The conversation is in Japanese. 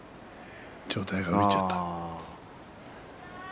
上体が浮いちゃった。